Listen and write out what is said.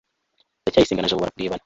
ndacyayisenga na jabo bararebana